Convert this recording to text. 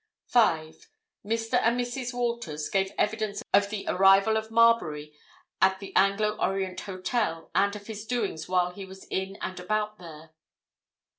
5. Mr. and Mrs. Walters gave evidence of the arrival of Marbury at the Anglo Orient Hotel, and of his doings while he was in and about there.